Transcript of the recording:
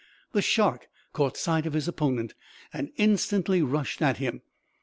The shark caught sight of his opponent, and instantly rushed at him.